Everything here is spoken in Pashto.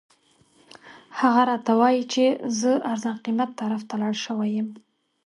هغه راته وایي چې زه ارزان قیمت طرف ته لاړ شوی یم.